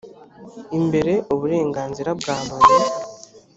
imbere uburenganzira bwa muntu